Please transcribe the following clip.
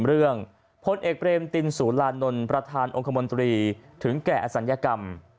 เรื่องพลเอกเบรมตินสุรานนท์ประธานองค์คมนตรีถึงแก่อศัลยกรรม